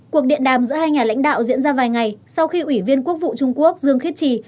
cuộc điện đàm giữa hai nhà lãnh đạo diễn ra vài ngày sau khi ủy viên quốc vụ trung quốc dương khiết trì